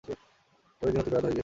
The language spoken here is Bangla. চল্লিশ দিন অতিক্রান্ত হয়ে গিয়েছে।